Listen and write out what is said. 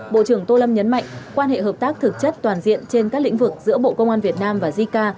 bộ trưởng tô lâm nhấn mạnh quan hệ hợp tác thực chất toàn diện trên các lĩnh vực giữa bộ công an việt nam và jica